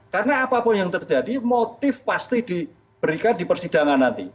karena apapun yang terjadi motif pasti diberikan di persidangan nanti